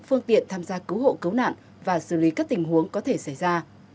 phương tiện tham gia cứu hộ cấu nạn và xử lý các tình huống có thể xảy ra